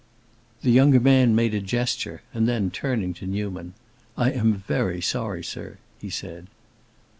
The younger man made a gesture, and then, turning to Newman, "I am very sorry, sir," he said.